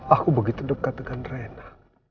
aku begitu dekat dengan rena